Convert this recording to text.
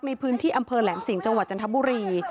ในพื้นที่อำเภอแหลมสิงห์จังหวัดจันทบุรี